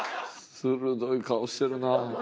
鋭い顔してるな。